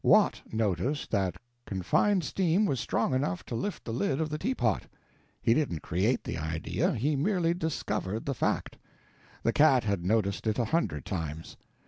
Watt noticed that confined steam was strong enough to lift the lid of the teapot. He didn't create the idea, he merely discovered the fact; the cat had noticed it a hundred times.